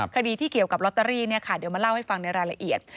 คดีที่เกี่ยวกับลอตเตอรี่เดี๋ยวมาเล่าให้ฟังในรายละเอียด